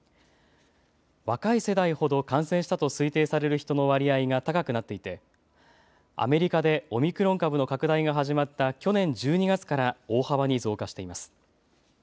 若い世代ほど感染したと推定される人の割合が高くなっていてアメリカでオミクロン株の拡大が始まった去年１２月から大幅に増加しています。